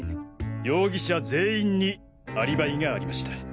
容疑者全員にアリバイがありました。